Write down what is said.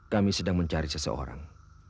kami sedang mencari seseorang